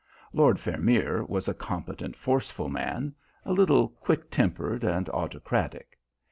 Lord Vermeer was a competent, forceful man, a little quick tempered and autocratic.